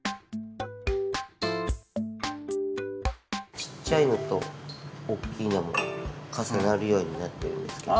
ちっちゃいのと大きいの重なるようになってるんですけど。